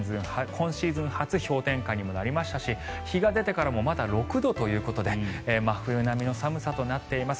今シーズン初氷点下にもなりましたし日が出てからもまだ６度ということで真冬並みの寒さとなっています。